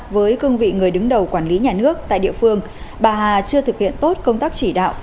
với cương vị người đứng đầu quản lý nhà nước tại địa phương bà hà chưa thực hiện tốt công tác chỉ đạo